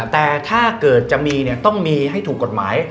แต่ถ้าเกิดจะมีต้องมีให้ถูกกฎหมาย